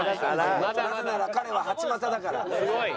なぜなら彼は８股だから。